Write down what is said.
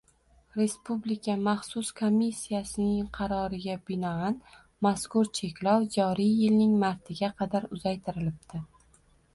Respublika maxsus komissiyasining qaroriga binoan, mazkur cheklov joriy yilning martiga qadar uzaytirilibdi.